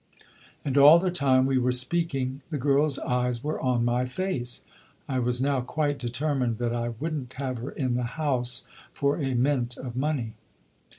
And all the time we were speaking the girl's eyes were on my face. I was now quite determined that I wouldn't have her in the house for a mint of money."